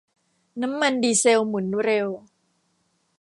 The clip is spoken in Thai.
น้ำมันดีเซลหมุนเร็ว